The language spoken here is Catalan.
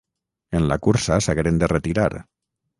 En la cursa s’hagueren de retirar.